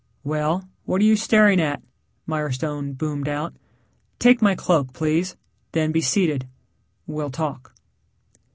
"Well, what are you staring at?" Mirestone boomed out. "Take my cloak, please, then be seated. We'll talk."